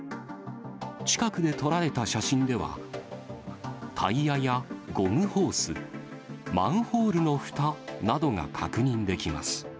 近くで撮られた写真では、タイヤやゴムホース、マンホールのふたなどが確認できます。